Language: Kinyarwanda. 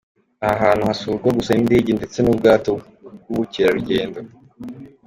Aha hantu hasurwa gusa n’indege ndetse n’ubwato by’ubukerarugendo.